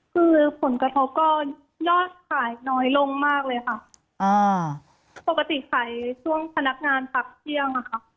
คือผลกระทบก็ยอดขายน้อยลงมากเลยค่ะอ่าปกติขายช่วงพนักงานพักเที่ยงอะค่ะ